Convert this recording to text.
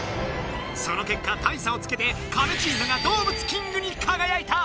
そのけっか大差をつけてカメチームが動物キングにかがやいた！